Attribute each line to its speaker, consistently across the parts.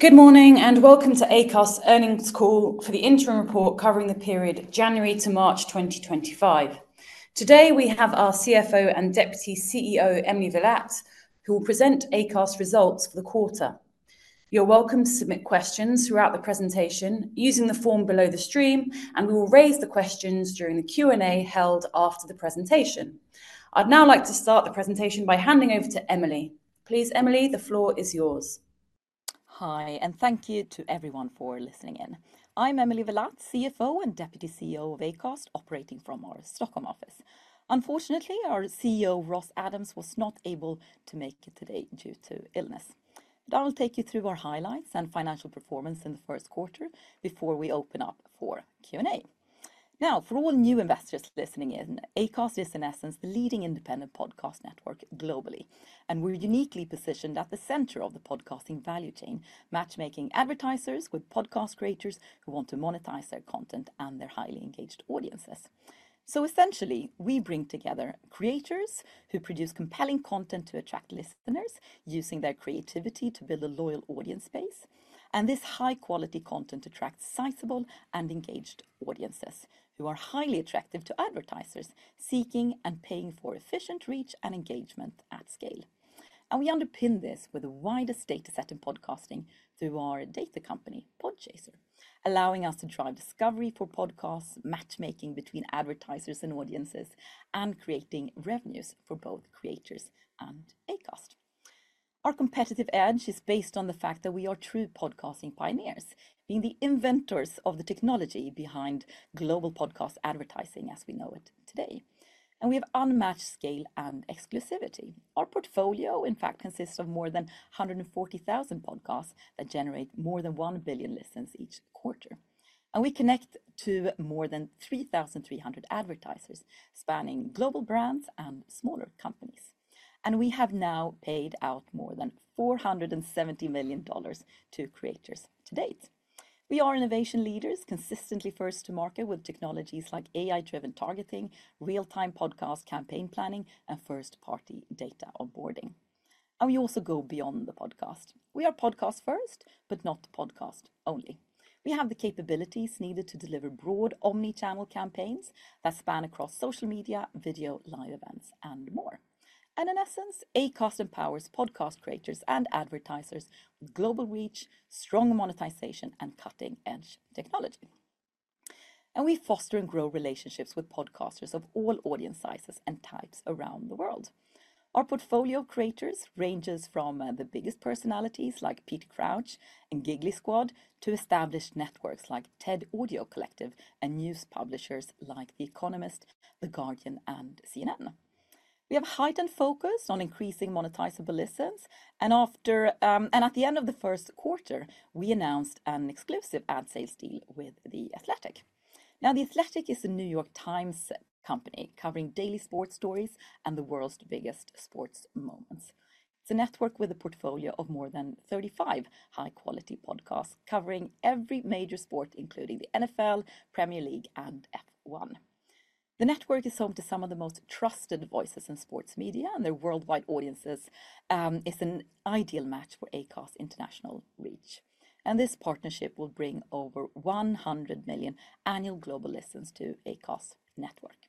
Speaker 1: Good morning and welcome to Acast's earnings call for the interim report covering the period January to March 2025. Today we have our CFO and Deputy CEO, Emily Villatte, who will present Acast's results for the quarter. You're welcome to submit questions throughout the presentation using the form below the stream, and we will raise the questions during the Q&A held after the presentation. I'd now like to start the presentation by handing over to Emily. Please, Emily, the floor is yours.
Speaker 2: Hi, and thank you to everyone for listening in. I'm Emily Villatte, CFO and Deputy CEO of Acast, operating from our Stockholm office. Unfortunately, our CEO, Ross Adams, was not able to make it today due to illness. I will take you through our highlights and financial performance in the first quarter before we open up for Q&A. Now, for all new investors listening in, Acast is, in essence, the leading independent podcast network globally, and we're uniquely positioned at the center of the podcasting value chain, matchmaking advertisers with podcast creators who want to monetize their content and their highly engaged audiences. Essentially, we bring together creators who produce compelling content to attract listeners, using their creativity to build a loyal audience base. This high-quality content attracts sizable and engaged audiences who are highly attractive to advertisers seeking and paying for efficient reach and engagement at scale. We underpin this with the widest data set in podcasting through our data company, Podchaser, allowing us to drive discovery for podcasts, matchmaking between advertisers and audiences, and creating revenues for both creators and Acast. Our competitive edge is based on the fact that we are true podcasting pioneers, being the inventors of the technology behind global podcast advertising as we know it today. We have unmatched scale and exclusivity. Our portfolio, in fact, consists of more than 140,000 podcasts that generate more than 1 billion listens each quarter. We connect to more than 3,300 advertisers spanning global brands and smaller companies. We have now paid out more than $470 million to creators to date. We are innovation leaders, consistently first to market with technologies like AI-driven targeting, real-time podcast campaign planning, and first-party data onboarding. We also go beyond the podcast. We are podcast first, but not podcast only. We have the capabilities needed to deliver broad omnichannel campaigns that span across social media, video, live events, and more. In essence, Acast empowers podcast creators and advertisers with global reach, strong monetization, and cutting-edge technology. We foster and grow relationships with podcasters of all audience sizes and types around the world. Our portfolio of creators ranges from the biggest personalities like Peter Crouch and Giggly Squad to established networks like TED Audio Collective and news publishers like The Economist, The Guardian, and CNN. We have a heightened focus on increasing monetizable listens, and at the end of the first quarter, we announced an exclusive ad sales deal with The Athletic. The Athletic is a New York Times company covering daily sports stories and the world's biggest sports moments. It's a network with a portfolio of more than 35 high-quality podcasts covering every major sport, including the NFL, Premier League, and F1. The network is home to some of the most trusted voices in sports media and their worldwide audiences. It is an ideal match for Acast's international reach. This partnership will bring over 100 million annual global listens to Acast's network.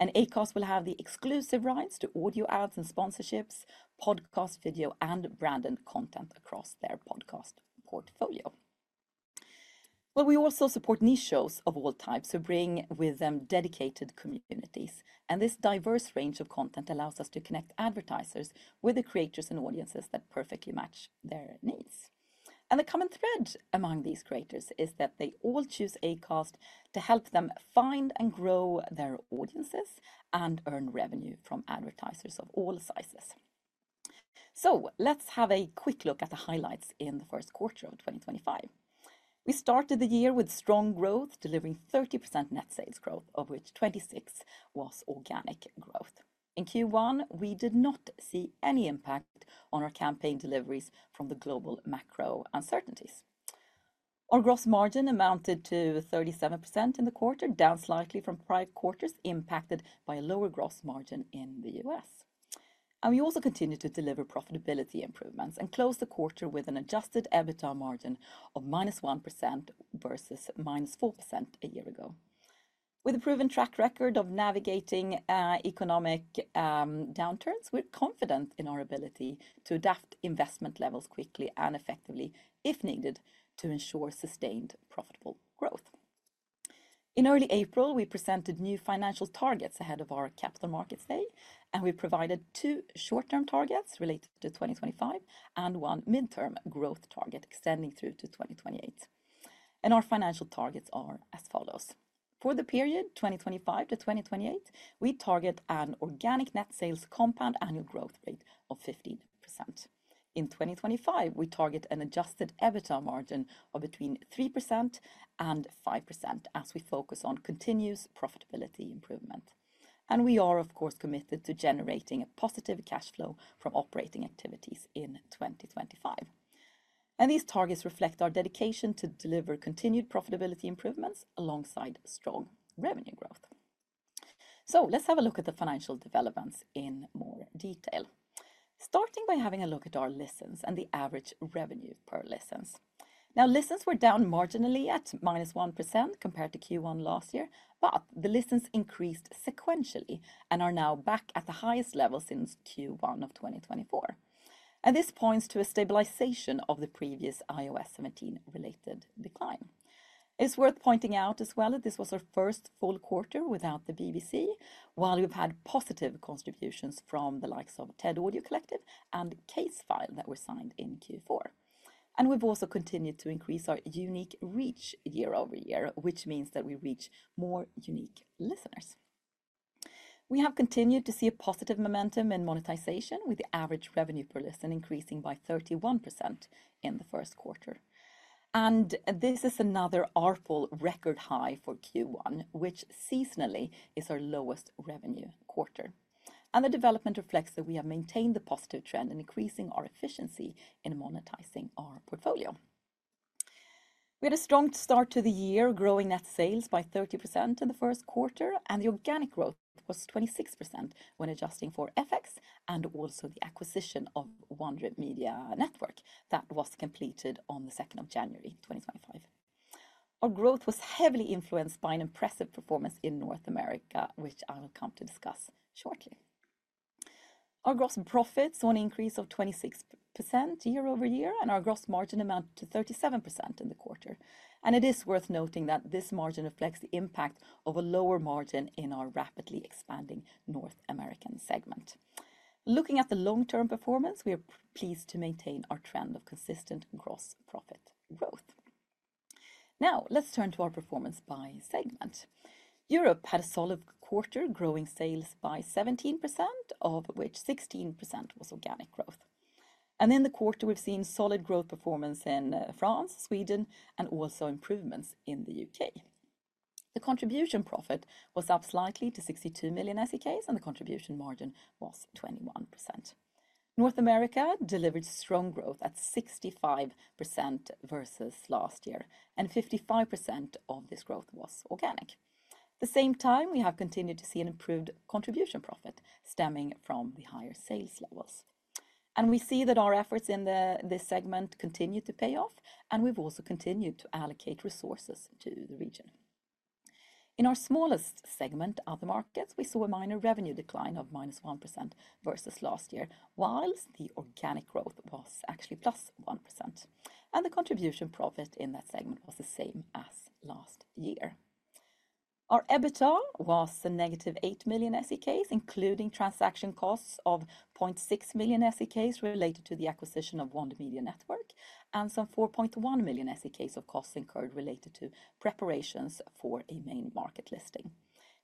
Speaker 2: Acast will have the exclusive rights to audio ads and sponsorships, podcast video, and branded content across their podcast portfolio. We also support niche shows of all types who bring with them dedicated communities. This diverse range of content allows us to connect advertisers with the creators and audiences that perfectly match their needs. The common thread among these creators is that they all choose Acast to help them find and grow their audiences and earn revenue from advertisers of all sizes. Let's have a quick look at the highlights in the first quarter of 2025. We started the year with strong growth, delivering 30% net sales growth, of which 26% was organic growth. In Q1, we did not see any impact on our campaign deliveries from the global macro uncertainties. Our gross margin amounted to 37% in the quarter, down slightly from prior quarters impacted by a lower gross margin in the US. We also continued to deliver profitability improvements and closed the quarter with an adjusted EBITDA margin of -1% versus -4% a year ago. With a proven track record of navigating economic downturns, we're confident in our ability to adapt investment levels quickly and effectively if needed to ensure sustained profitable growth. In early April, we presented new financial targets ahead of our Capital Markets Day, and we provided two short-term targets related to 2025 and one midterm growth target extending through to 2028. Our financial targets are as follows. For the period 2025 to 2028, we target an organic net sales compound annual growth rate of 15%. In 2025, we target an adjusted EBITDA margin of between 3% and 5% as we focus on continuous profitability improvement. We are, of course, committed to generating a positive cash flow from operating activities in 2025. These targets reflect our dedication to deliver continued profitability improvements alongside strong revenue growth. Let's have a look at the financial developments in more detail, starting by having a look at our listens and the average revenue per listens. Now, listens were down marginally at -1% compared to Q1 last year, but the listens increased sequentially and are now back at the highest level since Q1 of 2024. This points to a stabilization of the previous iOS 17-related decline. It's worth pointing out as well that this was our first full quarter without the BBC, while we've had positive contributions from the likes of TED Audio Collective and Case File that were signed in Q4. We've also continued to increase our unique reach year over year, which means that we reach more unique listeners. We have continued to see a positive momentum in monetization, with the average revenue per listen increasing by 31% in the first quarter. This is another ARPL record high for Q1, which seasonally is our lowest revenue quarter. The development reflects that we have maintained the positive trend in increasing our efficiency in monetizing our portfolio. We had a strong start to the year, growing net sales by 30% in the first quarter, and the organic growth was 26% when adjusting for FX and also the acquisition of Wonder Media Network that was completed on the 2nd of January 2025. Our growth was heavily influenced by an impressive performance in North America, which I will come to discuss shortly. Our gross profits saw an increase of 26% year over year, and our gross margin amounted to 37% in the quarter. It is worth noting that this margin reflects the impact of a lower margin in our rapidly expanding North American segment. Looking at the long-term performance, we are pleased to maintain our trend of consistent gross profit growth. Now, let's turn to our performance by segment. Europe had a solid quarter, growing sales by 17%, of which 16% was organic growth. In the quarter, we have seen solid growth performance in France, Sweden, and also improvements in the U.K. The contribution profit was up slightly to 62 million SEK, and the contribution margin was 21%. North America delivered strong growth at 65% versus last year, and 55% of this growth was organic. At the same time, we have continued to see an improved contribution profit stemming from the higher sales levels. We see that our efforts in this segment continue to pay off, and we have also continued to allocate resources to the region. In our smallest segment of the markets, we saw a minor revenue decline of -1% versus last year, while the organic growth was actually +1%. The contribution profit in that segment was the same as last year. Our EBITDA was negative 8 million SEK, including transaction costs of 0.6 million SEK related to the acquisition of Wonder Media Network, and some 4.1 million SEK of costs incurred related to preparations for a main market listing.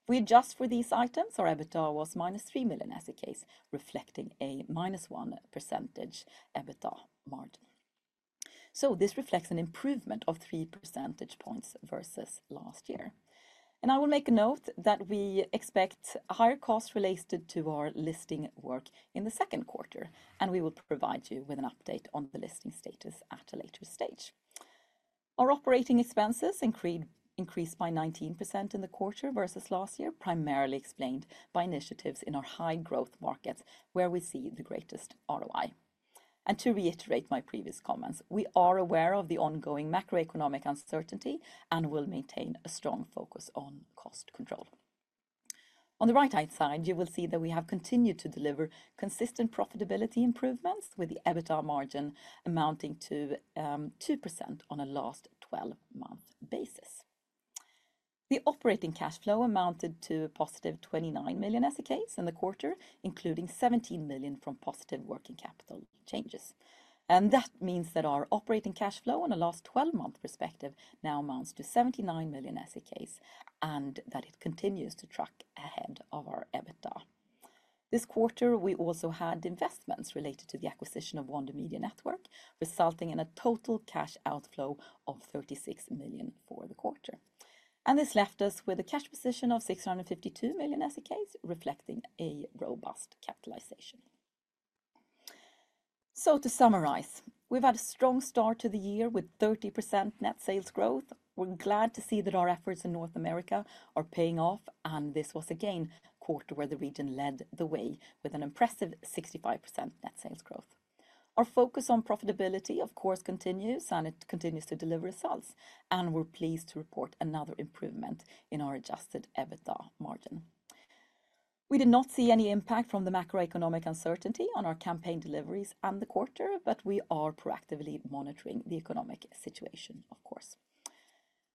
Speaker 2: If we adjust for these items, our EBITDA was -3 million, reflecting a -1% EBITDA margin. This reflects an improvement of 3 percentage points versus last year. I will make a note that we expect higher costs related to our listing work in the second quarter, and we will provide you with an update on the listing status at a later stage. Our operating expenses increased by 19% in the quarter versus last year, primarily explained by initiatives in our high-growth markets where we see the greatest ROI. To reiterate my previous comments, we are aware of the ongoing macroeconomic uncertainty and will maintain a strong focus on cost control. On the right-hand side, you will see that we have continued to deliver consistent profitability improvements, with the EBITDA margin amounting to 2% on a last 12-month basis. The operating cash flow amounted to a +29 million in the quarter, including 17 million from positive working capital changes. That means that our operating cash flow on a last 12-month perspective now amounts to 79 million SEK and that it continues to track ahead of our EBITDA. This quarter, we also had investments related to the acquisition of Wonder Media Network, resulting in a total cash outflow of 36 million for the quarter. This left us with a cash position of 652 million, reflecting a robust capitalization. To summarize, we've had a strong start to the year with 30% net sales growth. We're glad to see that our efforts in North America are paying off, and this was again a quarter where the region led the way with an impressive 65% net sales growth. Our focus on profitability, of course, continues, and it continues to deliver results. We're pleased to report another improvement in our adjusted EBITDA margin. We did not see any impact from the macroeconomic uncertainty on our campaign deliveries and the quarter, but we are proactively monitoring the economic situation, of course.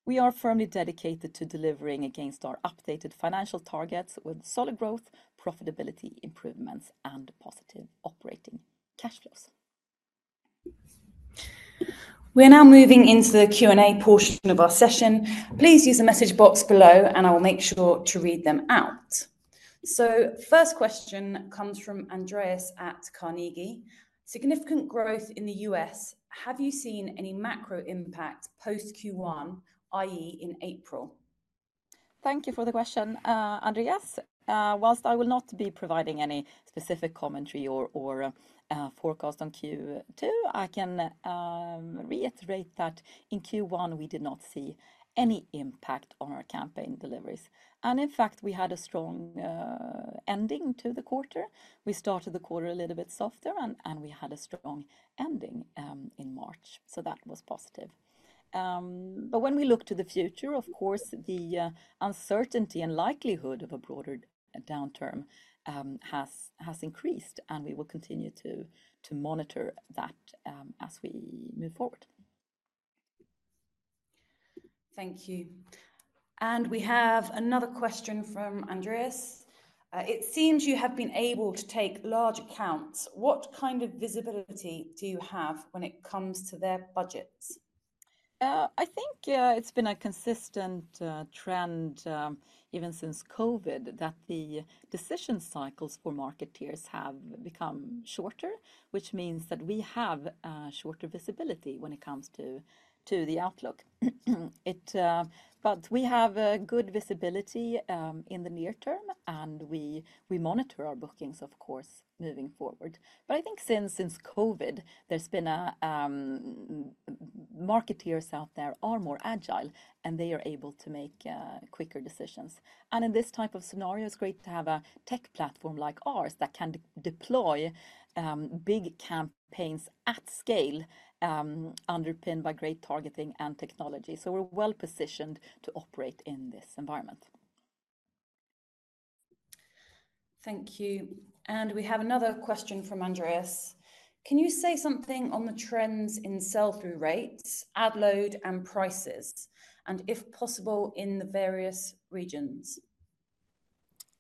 Speaker 2: We are firmly dedicated to delivering against our updated financial targets with solid growth, profitability improvements, and positive operating cash flows.
Speaker 1: We're now moving into the Q&A portion of our session. Please use the message box below, and I will make sure to read them out. First question comes from Andreas at Carnegie. Significant growth in the U.S.. Have you seen any macro impact post Q1, i.e., in April?
Speaker 2: Thank you for the question, Andreas. Whilst I will not be providing any specific commentary or forecast on Q2, I can reiterate that in Q1, we did not see any impact on our campaign deliveries. In fact, we had a strong ending to the quarter. We started the quarter a little bit softer, and we had a strong ending in March. That was positive. When we look to the future, of course, the uncertainty and likelihood of a broader downturn has increased, and we will continue to monitor that as we move forward.
Speaker 1: Thank you. We have another question from Andreas. It seems you have been able to take large accounts. What kind of visibility do you have when it comes to their budgets?
Speaker 2: I think it's been a consistent trend even since COVID that the decision cycles for market tiers have become shorter, which means that we have shorter visibility when it comes to the outlook. We have good visibility in the near term, and we monitor our bookings, of course, moving forward. I think since COVID, there have been market tiers out there that are more agile, and they are able to make quicker decisions. In this type of scenario, it's great to have a tech platform like ours that can deploy big campaigns at scale, underpinned by great targeting and technology. We are well positioned to operate in this environment.
Speaker 1: Thank you. We have another question from Andreas. Can you say something on the trends in sell-through rates, ad load, and prices, and if possible, in the various regions?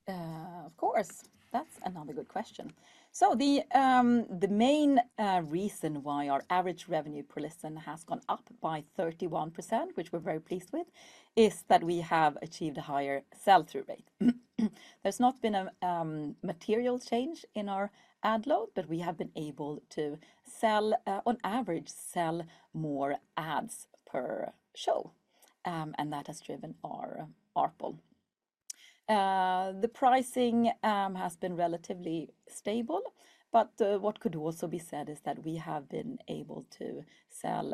Speaker 2: Of course. That's another good question. The main reason why our average revenue per listen has gone up by 31%, which we're very pleased with, is that we have achieved a higher sell-through rate. There's not been a material change in our ad load, but we have been able to sell, on average, more ads per show. That has driven our ARPL. The pricing has been relatively stable, but what could also be said is that we have been able to sell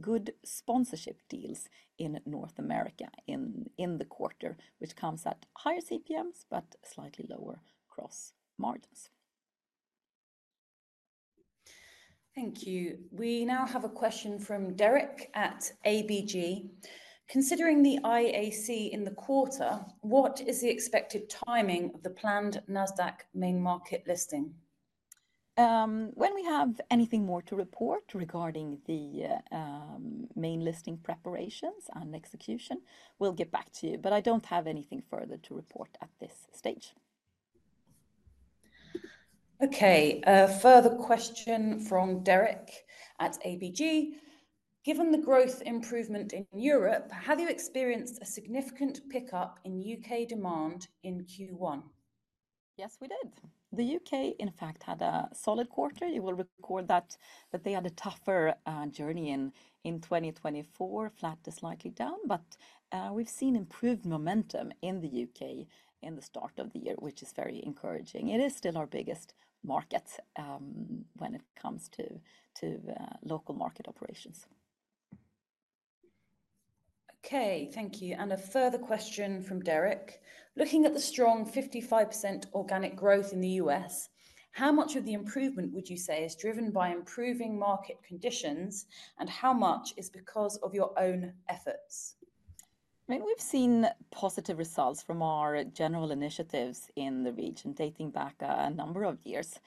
Speaker 2: good sponsorship deals in North America in the quarter, which comes at higher CPMs, but slightly lower gross margins.
Speaker 1: Thank you. We now have a question from Derek at ABG. Considering the IAC in the quarter, what is the expected timing of the planned Nasdaq main market listing?
Speaker 2: When we have anything more to report regarding the main listing preparations and execution, we'll get back to you. I don't have anything further to report at this stage.
Speaker 1: Okay. A further question from Derek at ABG. Given the growth improvement in Europe, have you experienced a significant pickup in U.K. demand in Q1?
Speaker 2: Yes, we did. The U.K., in fact, had a solid quarter. You will recall that they had a tougher journey in 2024, flat to slightly down. We've seen improved momentum in the U.K. in the start of the year, which is very encouraging. It is still our biggest market when it comes to local market operations.
Speaker 1: Okay. Thank you. A further question from Derek. Looking at the strong 55% organic growth in the U.S., how much of the improvement would you say is driven by improving market conditions, and how much is because of your own efforts?
Speaker 2: I mean, we've seen positive results from our general initiatives in the region dating back a number of years.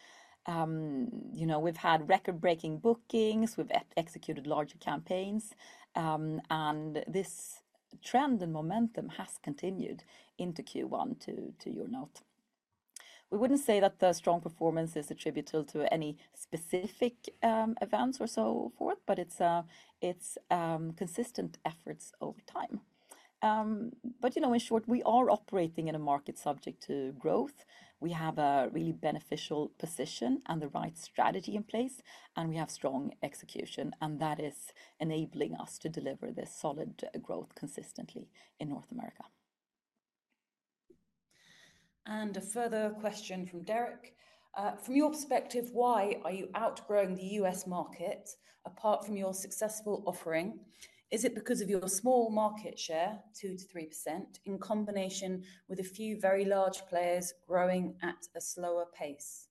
Speaker 2: You know, we've had record-breaking bookings, we've executed larger campaigns, and this trend and momentum has continued into Q1, to your note. We wouldn't say that the strong performance is attributable to any specific events or so forth, but it's consistent efforts over time. You know, in short, we are operating in a market subject to growth. We have a really beneficial position and the right strategy in place, and we have strong execution, and that is enabling us to deliver this solid growth consistently in North America.
Speaker 1: A further question from Derek. From your perspective, why are you outgrowing the U.S. market apart from your successful offering? Is it because of your small market share, 2%-3%, in combination with a few very large players growing at a slower pace?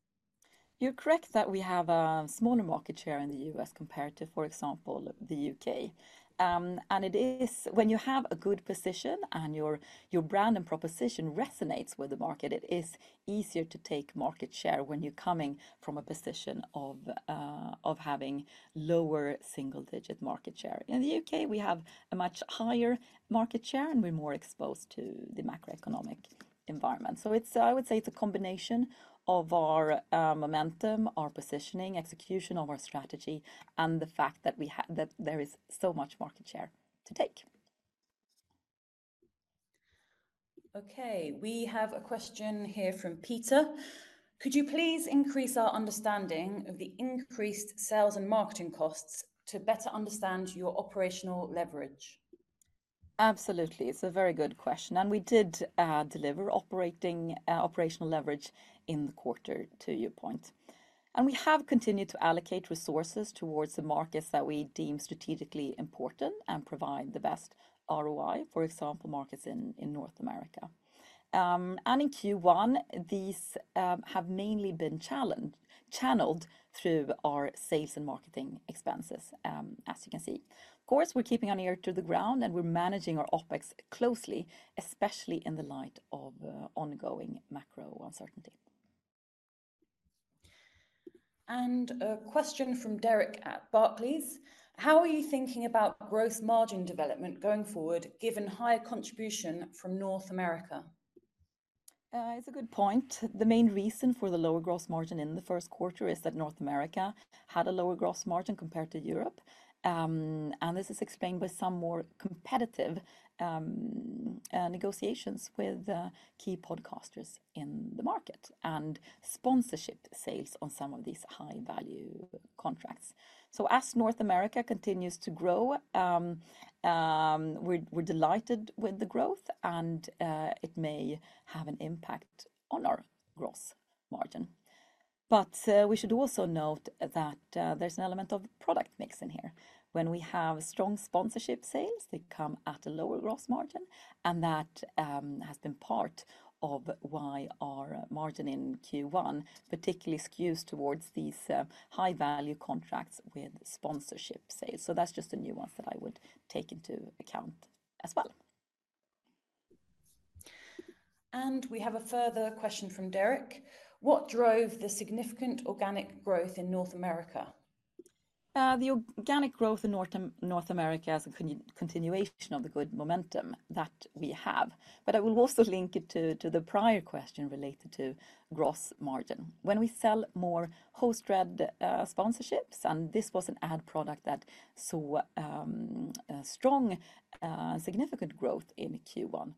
Speaker 2: You're correct that we have a smaller market share in the U.S. compared to, for example, the U.K. And it is when you have a good position and your brand and proposition resonates with the market, it is easier to take market share when you're coming from a position of having lower single-digit market share. In the U.K., we have a much higher market share and we're more exposed to the macroeconomic environment. I would say it's a combination of our momentum, our positioning, execution of our strategy, and the fact that there is so much market share to take.
Speaker 1: Okay. We have a question here from Peter. Could you please increase our understanding of the increased sales and marketing costs to better understand your operational leverage?
Speaker 2: Absolutely. It's a very good question. We did deliver operational leverage in the quarter, to your point. We have continued to allocate resources towards the markets that we deem strategically important and provide the best ROI, for example, markets in North America. In Q1, these have mainly been channeled through our sales and marketing expenses, as you can see. Of course, we're keeping our ear to the ground and we're managing our OpEx closely, especially in the light of ongoing macro uncertainty.
Speaker 1: A question from Derek at Barclays. How are you thinking about gross margin development going forward, given higher contribution from North America?
Speaker 2: It's a good point. The main reason for the lower gross margin in the first quarter is that North America had a lower gross margin compared to Europe. This is explained by some more competitive negotiations with key podcasters in the market and sponsorship sales on some of these high-value contracts. As North America continues to grow, we're delighted with the growth and it may have an impact on our gross margin. We should also note that there's an element of product mix in here. When we have strong sponsorship sales, they come at a lower gross margin, and that has been part of why our margin in Q1 particularly skews towards these high-value contracts with sponsorship sales. That's just a nuance that I would take into account as well.
Speaker 1: We have a further question from Derek. What drove the significant organic growth in North America?
Speaker 2: The organic growth in North America is a continuation of the good momentum that we have. I will also link it to the prior question related to gross margin. When we sell more host-read sponsorships, and this was an ad product that saw strong, significant growth in Q1,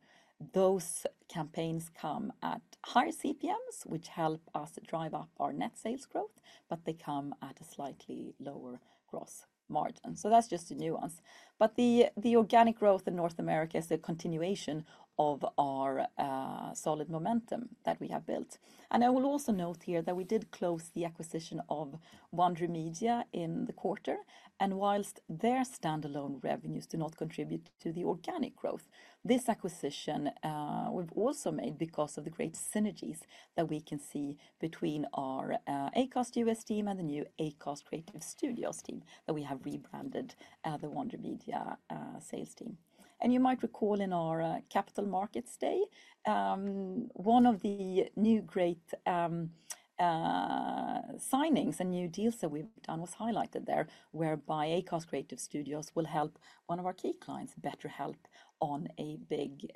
Speaker 2: those campaigns come at higher CPMs, which help us drive up our net sales growth, but they come at a slightly lower gross margin. That is just a nuance. The organic growth in North America is a continuation of our solid momentum that we have built. I will also note here that we did close the acquisition of Wonder Media in the quarter. Whilst their standalone revenues do not contribute to the organic growth, this acquisition we have also made because of the great synergies that we can see between our Acast U.S. team and the new Acast Creative Studios team that we have rebranded the Wonder Media sales team. You might recall in our capital markets day, one of the new great signings and new deals that we have done was highlighted there, whereby Acast Creative Studios will help one of our key clients better help on a big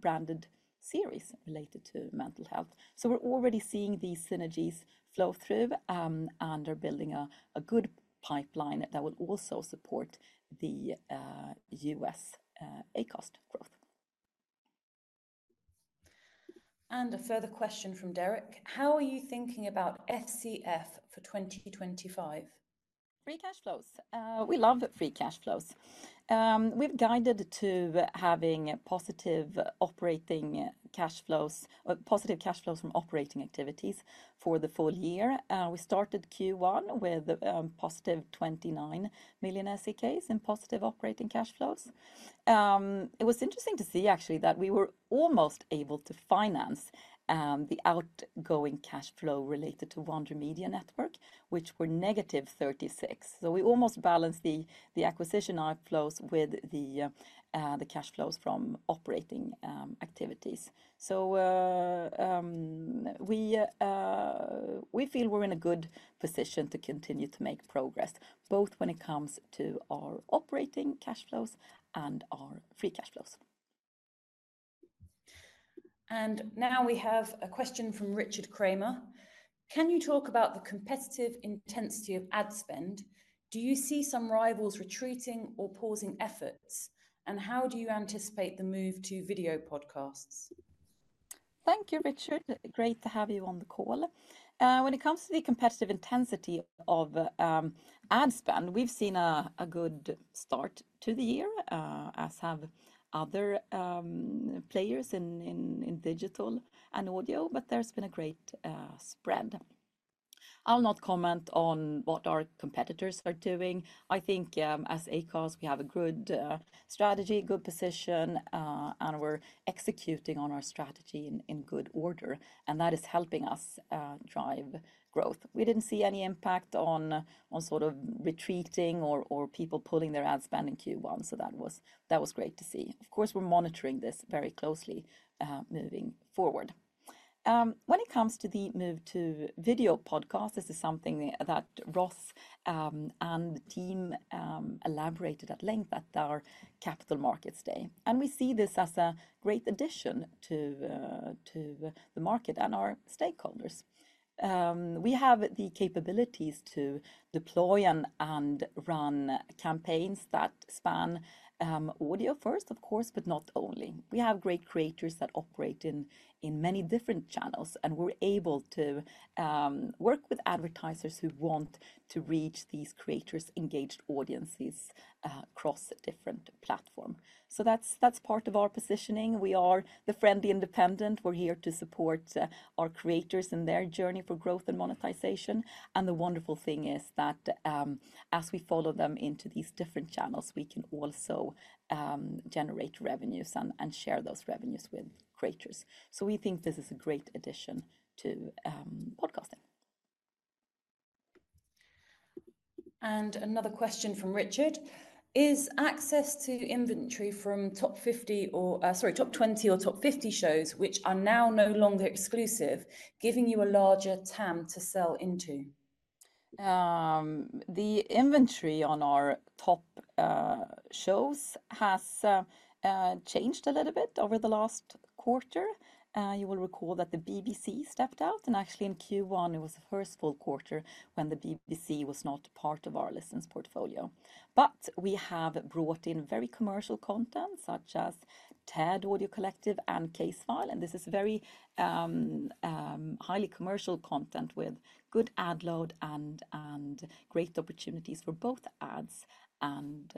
Speaker 2: branded series related to mental health. We are already seeing these synergies flow through, and they are building a good pipeline that will also support the U.S. Acast growth.
Speaker 1: A further question from Derek. How are you thinking about FCF for 2025?
Speaker 2: Free cash flows. We love free cash flows. We've guided to having positive operating cash flows, positive cash flows from operating activities for the full year. We started Q1 with +29 million SEK in positive operating cash flows. It was interesting to see, actually, that we were almost able to finance the outgoing cash flow related to Wonder Media Network, which were -36 million. We almost balanced the acquisition outflows with the cash flows from operating activities. We feel we're in a good position to continue to make progress, both when it comes to our operating cash flows and our free cash flows.
Speaker 1: Now we have a question from Richard Kramer. Can you talk about the competitive intensity of ad spend? Do you see some rivals retreating or pausing efforts? How do you anticipate the move to video podcasts?
Speaker 2: Thank you, Richard. Great to have you on the call. When it comes to the competitive intensity of ad spend, we've seen a good start to the year, as have other players in digital and audio, but there's been a great spread. I'll not comment on what our competitors are doing. I think as Acast, we have a good strategy, good position, and we're executing on our strategy in good order, and that is helping us drive growth. We didn't see any impact on sort of retreating or people pulling their ad spend in Q1, so that was great to see. Of course, we're monitoring this very closely moving forward. When it comes to the move to video podcasts, this is something that Ross and the team elaborated at length at our capital markets day. We see this as a great addition to the market and our stakeholders. We have the capabilities to deploy and run campaigns that span audio first, of course, but not only. We have great creators that operate in many different channels, and we're able to work with advertisers who want to reach these creators' engaged audiences across a different platform. That is part of our positioning. We are the friendly independent. We're here to support our creators in their journey for growth and monetization. The wonderful thing is that as we follow them into these different channels, we can also generate revenues and share those revenues with creators. We think this is a great addition to podcasting.
Speaker 1: Another question from Richard. Is access to inventory from top 50 or, sorry, top 20 or top 50 shows, which are now no longer exclusive, giving you a larger TAM to sell into?
Speaker 2: The inventory on our top shows has changed a little bit over the last quarter. You will recall that the BBC stepped out, and actually in Q1, it was the first full quarter when the BBC was not part of our listings portfolio. We have brought in very commercial content such as TED Audio Collective and Case File, and this is very highly commercial content with good ad load and great opportunities for both ads and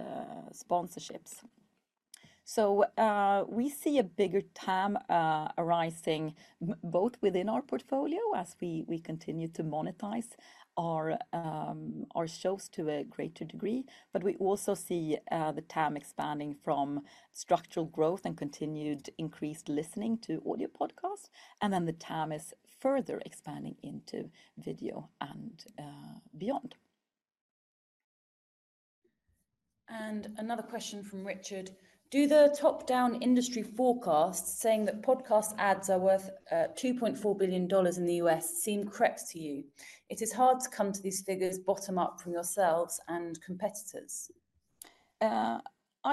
Speaker 2: sponsorships. We see a bigger TAM arising both within our portfolio as we continue to monetize our shows to a greater degree, but we also see the TAM expanding from structural growth and continued increased listening to audio podcasts, and the TAM is further expanding into video and beyond.
Speaker 1: Another question from Richard. Do the top-down industry forecasts saying that podcast ads are worth $2.4 billion in the U.S. seem correct to you? It is hard to come to these figures bottom up from yourselves and competitors.
Speaker 2: I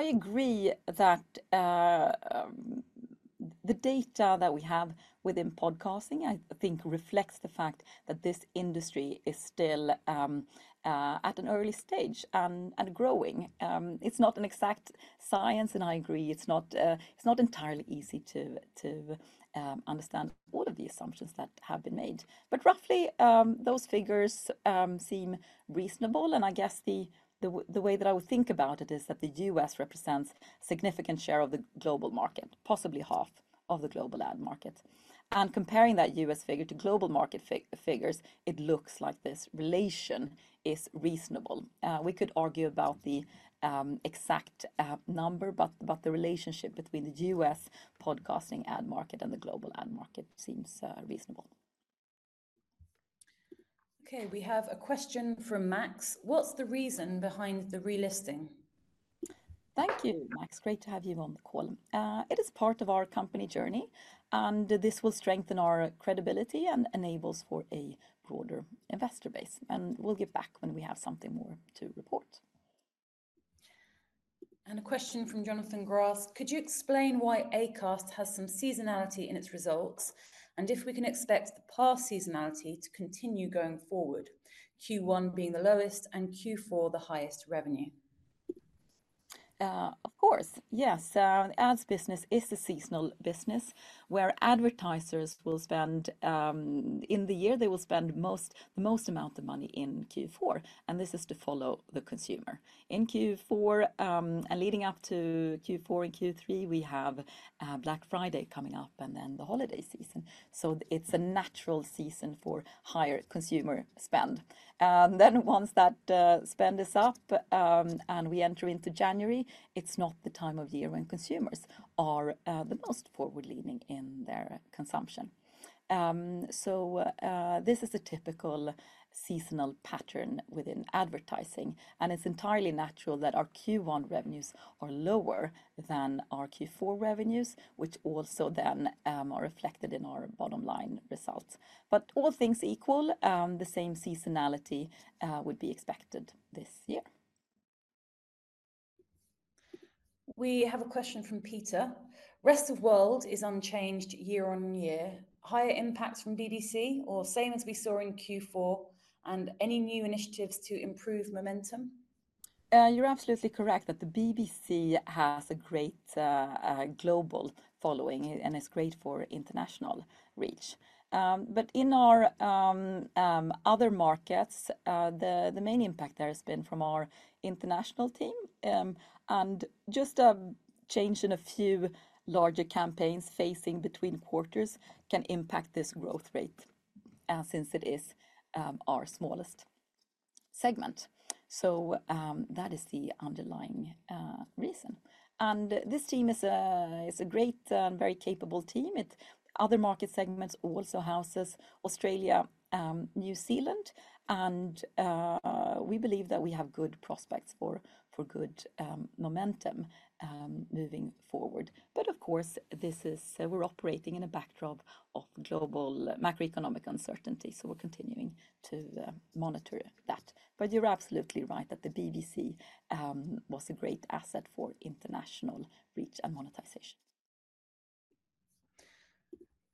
Speaker 2: agree that the data that we have within podcasting, I think, reflects the fact that this industry is still at an early stage and growing. It's not an exact science, and I agree it's not entirely easy to understand all of the assumptions that have been made. Roughly, those figures seem reasonable, and I guess the way that I would think about it is that the U.S. represents a significant share of the global market, possibly half of the global ad market. Comparing that U.S. figure to global market figures, it looks like this relation is reasonable. We could argue about the exact number, but the relationship between the U.S. podcasting ad market and the global ad market seems reasonable.
Speaker 1: Okay, we have a question from Max. What's the reason behind the relisting?
Speaker 2: Thank you, Max. Great to have you on the call. It is part of our company journey, and this will strengthen our credibility and enable for a broader investor base. We will get back when we have something more to report.
Speaker 1: A question from Jonathan Grass. Could you explain why Acast has some seasonality in its results and if we can expect the past seasonality to continue going forward, Q1 being the lowest and Q4 the highest revenue?
Speaker 2: Of course, yes. Ads business is a seasonal business where advertisers will spend in the year, they will spend the most amount of money in Q4, and this is to follow the consumer. In Q4 and leading up to Q4 and Q3, we have Black Friday coming up and then the holiday season. It is a natural season for higher consumer spend. Once that spend is up and we enter into January, it is not the time of year when consumers are the most forward-leaning in their consumption. This is a typical seasonal pattern within advertising, and it is entirely natural that our Q1 revenues are lower than our Q4 revenues, which also then are reflected in our bottom line results. All things equal, the same seasonality would be expected this year.
Speaker 1: We have a question from Peter. Rest of world is unchanged year on year. Higher impacts from BBC or same as we saw in Q4 and any new initiatives to improve momentum?
Speaker 2: You are absolutely correct that the BBC has a great global following and is great for international reach. In our other markets, the main impact there has been from our international team. Just a change in a few larger campaigns facing between quarters can impact this growth rate since it is our smallest segment. That is the underlying reason. This team is a great and very capable team. Other market segments also house Australia, New Zealand, and we believe that we have good prospects for good momentum moving forward. Of course, we're operating in a backdrop of global macroeconomic uncertainty, so we're continuing to monitor that. You're absolutely right that the BBC was a great asset for international reach and monetization.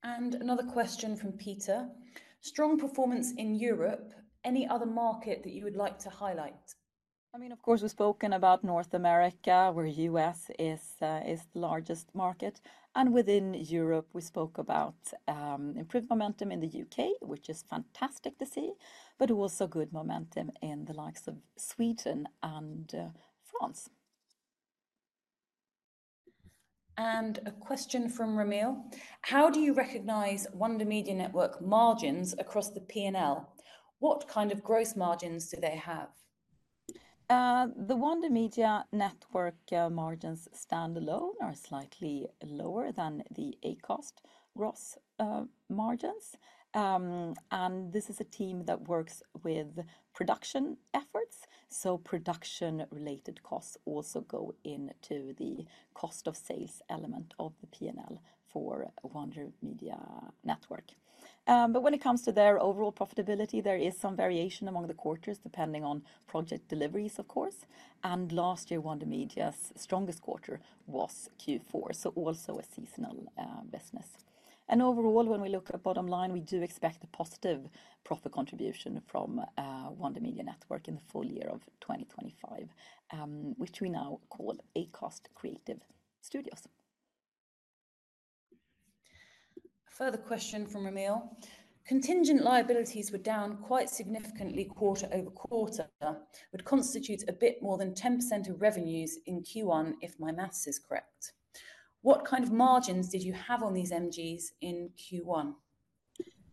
Speaker 1: Another question from Peter. Strong performance in Europe. Any other market that you would like to highlight?
Speaker 2: I mean, of course, we've spoken about North America, where U.S. is the largest market. Within Europe, we spoke about improved momentum in the U.K., which is fantastic to see, but also good momentum in the likes of Sweden and France.
Speaker 1: A question from Romeo: How do you recognize Wonder Media Network margins across the P&L? What kind of gross margins do they have?
Speaker 2: The Wandripp Media Network margins stand alone are slightly lower than the Acast Ross margins. This is a team that works with production efforts, so production-related costs also go into the cost of sales element of the P&L for Wonder Media Network. When it comes to their overall profitability, there is some variation among the quarters depending on project deliveries, of course. Last year, Wonder Media's strongest quarter was Q4, so also a seasonal business. Overall, when we look at bottom line, we do expect a positive profit contribution from Wonder Media Network in the full year of 2025, which we now call Acast Creative Studios.
Speaker 1: Further question from Romeo. Contingent liabilities were down quite significantly quarter over quarter, would constitute a bit more than 10% of revenues in Q1 if my maths is correct. What kind of margins did you have on these MGs in Q1?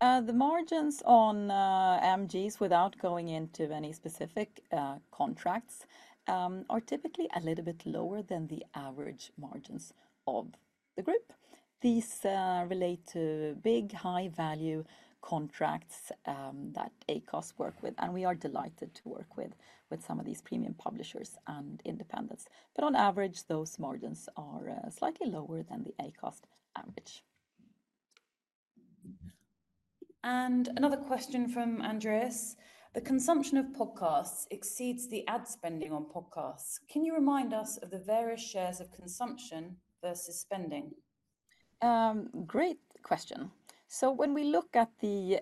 Speaker 2: The margins on MGs, without going into any specific contracts, are typically a little bit lower than the average margins of the group. These relate to big, high-value contracts that Acast work with, and we are delighted to work with some of these premium publishers and independents. On average, those margins are slightly lower than the Acast average.
Speaker 1: Another question from Andreas. The consumption of podcasts exceeds the ad spending on podcasts. Can you remind us of the various shares of consumption versus spending?
Speaker 2: Great question. When we look at the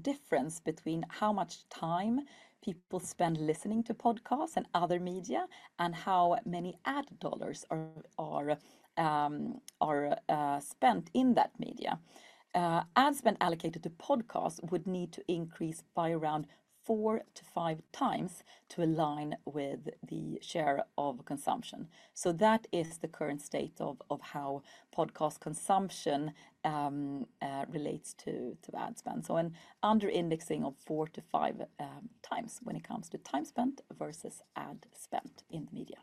Speaker 2: difference between how much time people spend listening to podcasts and other media and how many ad dollars are spent in that media, ad spend allocated to podcasts would need to increase by around 4-5 times to align with the share of consumption. That is the current state of how podcast consumption relates to ad spend. There is an under-indexing of 4-five-times when it comes to time spent versus ad spend in the media.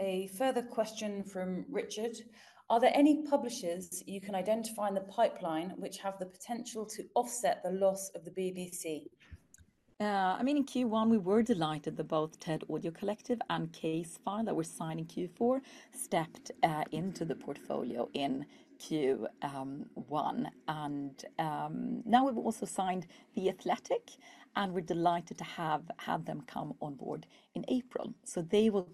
Speaker 1: A further question from Richard. Are there any publishers you can identify in the pipeline which have the potential to offset the loss of the BBC?
Speaker 2: I mean, in Q1, we were delighted that both TED Audio Collective and Case File that were signed in Q4 stepped into the portfolio in Q1. Now we have also signed The Athletic, and we are delighted to have them come on board in April. They will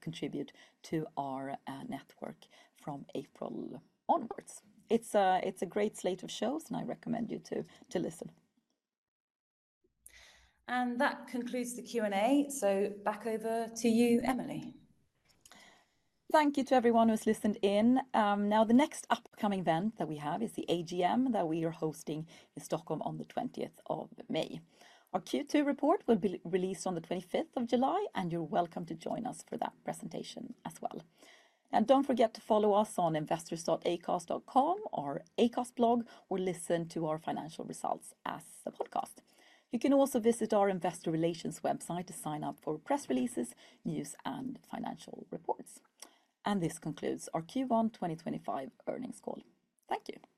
Speaker 2: contribute to our network from April onwards. It is a great slate of shows, and I recommend you to listen.
Speaker 1: That concludes the Q&A. Back over to you, Emily.
Speaker 2: Thank you to everyone who has listened in. The next upcoming event that we have is the AGM that we are hosting in Stockholm on the 20th of May. Our Q2 report will be released on the 25th of July, and you are welcome to join us for that presentation as well. Do not forget to follow us on investors.acast.com, our Acast blog, or listen to our financial results as a podcast. You can also visit our investor relations website to sign up for press releases, news, and financial reports. This concludes our Q1 2025 earnings call. Thank you.